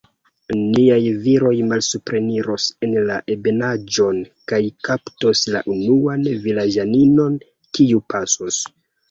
Niaj viroj malsupreniros en la ebenaĵon, kaj kaptos la unuan vilaĝaninon, kiu pasos.